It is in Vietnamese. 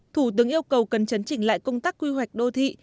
thủ tướng yêu cầu cần chấn chỉnh lại công tác quy hoạch đô thị